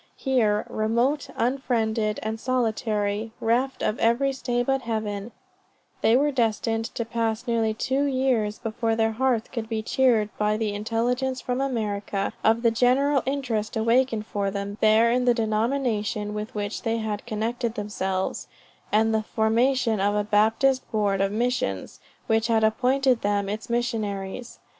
Here, "remote, unfriended" and solitary "reft of every stay but Heaven" they were destined to pass nearly two years, before their hearts could be cheered by the intelligence from America, of the general interest awakened for them there in the denomination with which they had connected themselves; and the formation of a Baptist Board of Missions, which had appointed them its Missionaries.